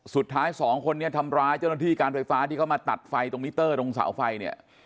สุดท้ายสองคนนี้ทำร้ายเจ้าหน้าที่การไฟฟ้าที่เขามาตัดไฟตรงมิเตอร์ตรงเสาไฟเนี่ย